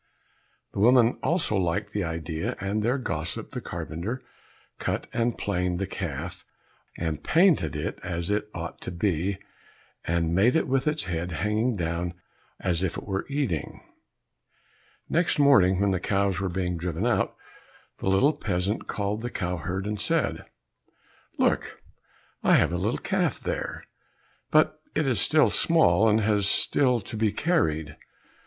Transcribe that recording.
The woman also liked the idea, and their gossip the carpenter cut and planed the calf, and painted it as it ought to be, and made it with its head hanging down as if it were eating. Next morning when the cows were being driven out, the little peasant called the cow herd and said, "Look, I have a little calf there, but it is still small and has still to be carried."